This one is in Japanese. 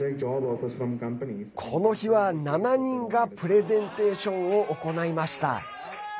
この日は、７人がプレゼンテーションを行いました。